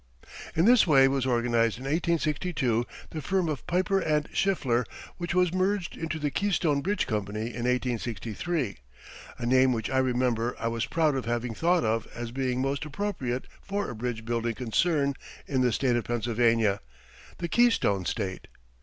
In this way was organized in 1862 the firm of Piper and Schiffler which was merged into the Keystone Bridge Company in 1863 a name which I remember I was proud of having thought of as being most appropriate for a bridge building concern in the State of Pennsylvania, the Keystone State.